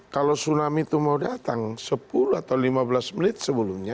kalau tsunami itu mau datang sepuluh atau lima belas menit sebelumnya